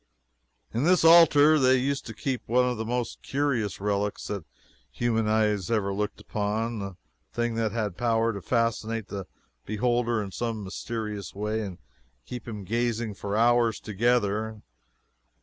In this altar they used to keep one of the most curious relics that human eyes ever looked upon a thing that had power to fascinate the beholder in some mysterious way and keep him gazing for hours together.